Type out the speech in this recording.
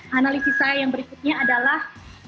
kemudian analisi saya yang berikutnya adalah